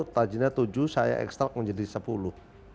tajinnya tujuh saya ekstrak menjadi sepuluh